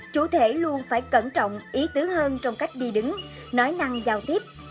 chủ thể luôn phải cẩn trọng ý tứ hơn trong cách đi đứng nói năng giao tiếp